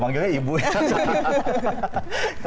panggilnya ibu ya